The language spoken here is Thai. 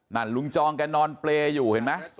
นั่นลุงจองกันนอนเบลอยู่เห็นมั้ย